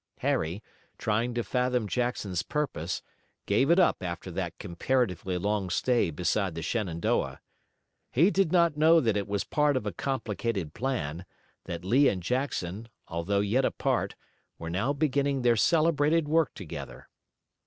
Harry, trying to fathom Jackson's purpose, gave it up after that comparatively long stay beside the Shenandoah. He did not know that it was a part of a complicated plan, that Lee and Jackson, although yet apart, were now beginning their celebrated work together.